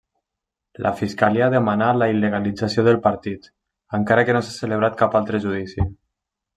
La fiscalia demanà la il·legalització del partit, encara que no s'ha celebrat cap altre judici.